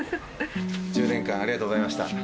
１０年間ありがとうございました。